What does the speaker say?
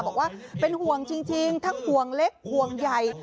บอกว่าเป็นห่วงจริงทั้งห่วงเล็กห่วงใหญ่